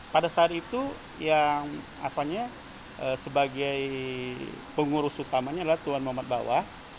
pada saat itu yang sebagai pengurus utamanya adalah tuan muhammad bawah